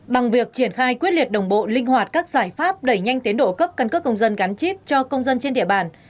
bằng việc triển khai quyết liệt đồng bộ linh hoạt các giải pháp đẩy nhanh tiến độ cấp căn cước công dân gắn chip cho công dân trên địa bàn